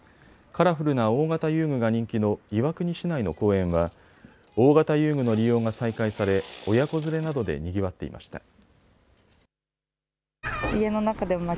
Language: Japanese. カラフルな大型遊具が人気の岩国市内の公園は大型遊具の利用が再開され親子連れなどでにぎわっていました。